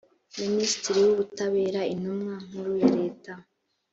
minisitiri w ubutabera intumwa nkuru ya leta